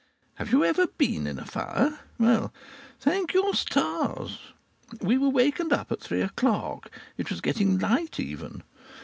Have you ever been in a fire?... Well, thank your stars! We were wakened up at three o'clock. It was getting light, even.